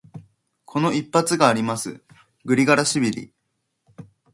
この一発があります、グリガラシビリ。